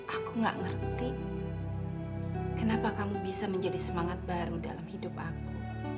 aku gak ngerti kenapa kamu bisa menjadi semangat baru dalam hidup aku